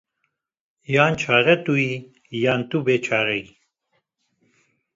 Yan çare tu yî, yan tu bêçare yî.